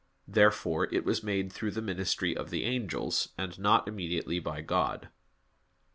Therefore it was made through the ministry of the angels, and not immediately by God.